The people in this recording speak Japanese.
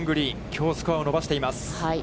きょうスコアを伸ばしています。